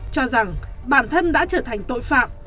cho rằng bản thân đã trở thành tội phạm